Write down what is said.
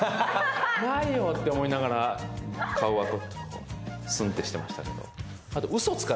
怖いよって思いながら顔はスンってしてましたね。